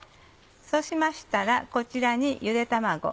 そうしましたらこちらにゆで卵。